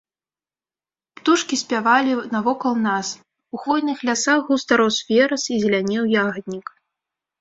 Птушкі спявалі навокал нас, у хвойных лясах густа рос верас і зелянеў ягаднік.